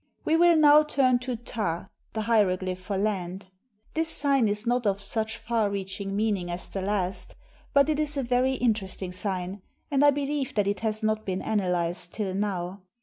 We will now turn to to, the hieroglyph for "land." This sign is not of such far reaching meaning as the last; but it is a very interesting sign, and I believe that it has not been analyzed till now.